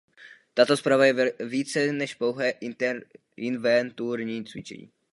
Tato zpráva je více než pouhé inventurní cvičení.